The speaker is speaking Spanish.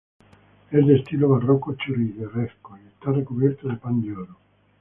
Es de estilo barroco churrigueresco y está recubierto de pan de oro.